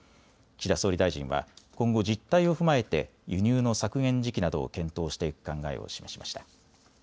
岸田総理大臣は今後、実態を踏まえて輸入の削減時期などを検討していく考えを示しました。